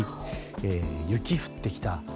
雪降ってきた。